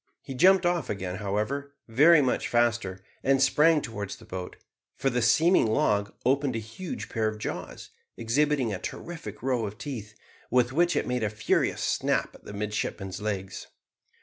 He jumped off again, however, very much faster, and sprang towards the boat, for the seeming log opened a huge pair of jaws, exhibiting a terrific row of teeth, with which it made a furious snap at the midshipman's legs.